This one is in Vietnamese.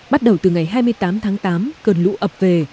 bắt đầu từ ngày hai mươi tám tháng tám cơn lũ ập về